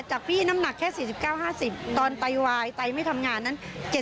จากพี่น้ำหนักแค่๔๙๕๐ตอนไตวายไตไม่ทำงานนั้น